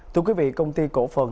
thưa quý vị công ty cổ phần